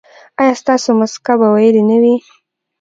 ایا ستاسو مسکه به ویلې نه وي؟